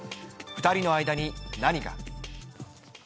２人の間に何が。